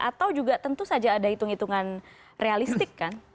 atau juga tentu saja ada hitung hitungan realistik kan